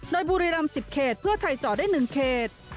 โดยบุรีรำ๑๐เขตเพื่อไทยเจาะได้๑เขต